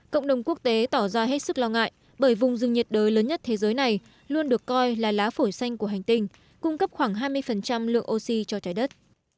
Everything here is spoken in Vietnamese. cộng đồng quốc tế tỏ ra hết sức lo ngại bởi vùng rừng nhiệt đới lớn nhất thế giới này luôn được coi là lá phổi xanh của hành tinh cung cấp khoảng hai mươi lượng oxy cho trái đất